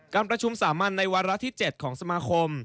การประชุมสามัญในวาระที่๗ของสมาคม